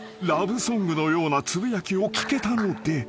［ラブソングのようなつぶやきを聞けたので］